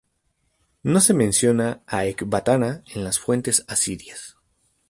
No se menciona a Ecbatana en las fuentes asirias.